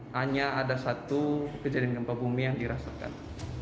hanya ada satu kejadian gempa bumi yang dirasakan